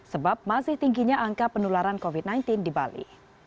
sebab masih tingginya angka penularan covid sembilan belas di bali